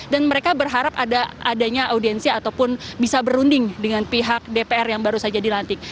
dan mereka berharap adanya audiensi ataupun bisa berunding dengan pihak dpr yang baru saja dilantik